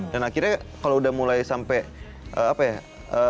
dan akhirnya kalau udah mulai sampai apa ya